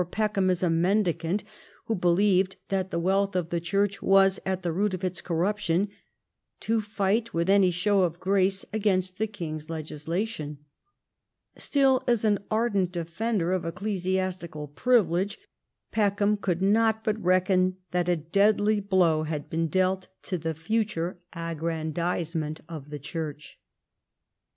Peckham, as a Mendicant who believed that the wealth of the Church was at the root of its corruption, to fight with any show of grace against the king's legislation. Still, as an ardent defender of ecclesiastical privilege, Peckham could not but reckon that a deadly blow had been dealt to the future aggrandisement of the Church.